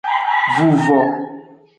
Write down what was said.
Vuvo.